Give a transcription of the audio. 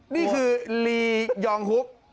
นี่คือลียองฮุก